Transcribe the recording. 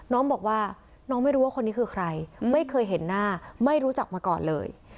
น้องบอกว่าน้องไม่รู้ว่าคนนี้คือใครไม่เคยเห็นหน้าไม่รู้จักมาก่อนเลย